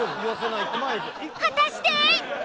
果たして！？